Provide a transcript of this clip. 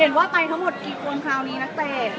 ว่าไปทั้งหมดกี่คนคราวนี้นักเตะ